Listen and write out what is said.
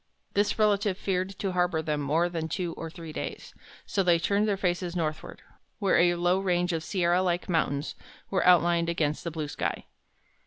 This relative feared to harbor them more than two or three days, so they turned their faces northward, where a low range of sierra like mountains was outlined against the blue sky.